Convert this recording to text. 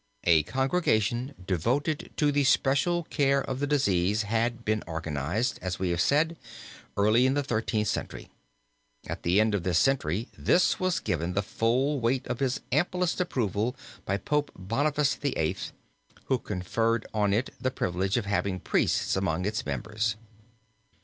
A congregation devoted to the special care of the disease had been organized, as we have said, early in the Thirteenth Century. At the end of this century this was given the full weight of his amplest approval by Pope Boniface VIII., who conferred on it the privilege of having priests among its members.